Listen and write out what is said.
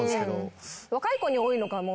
若い子に多いのかも。